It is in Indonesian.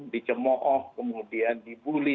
dijemoh off kemudian dibully